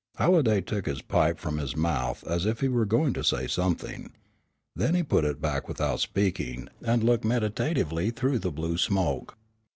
Halliday took his pipe from his mouth as if he were going to say something. Then he put it back without speaking and looked meditatively through the blue smoke.